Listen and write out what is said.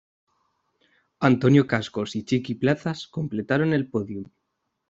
Antonio Cascos y Chiqui Plazas completaron el pódium.